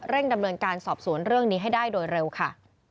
ดำเนินการสอบสวนเรื่องนี้ให้ได้โดยเร็วค่ะ